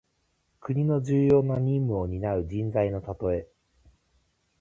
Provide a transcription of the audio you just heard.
国の重要な任務をになう人材のたとえ。